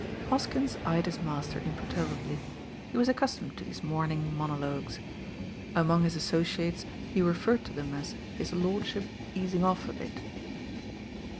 Hoskins eyed his master imperturbably. He was accustomed to these morning monologues. Among THE MORXmO APTER «67 hit aMociates he referred to them as "Hit lordship easing off a bit."